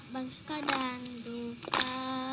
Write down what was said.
baguskan dan duka